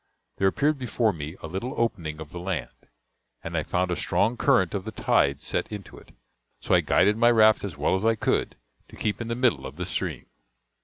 There appeared before me a little opening of the land, and I found a strong current of the tide set into it; so I guided my raft as well as I could, to keep in the middle of the stream.